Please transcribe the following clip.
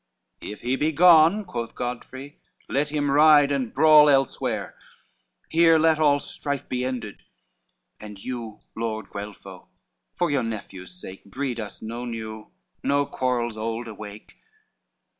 "If he be gone," quoth Godfrey, "let him ride And brawl elsewhere, here let all strife be ended: And you, Lord Guelpho, for your nephew's sake, Breed us no new, nor quarrels old awake."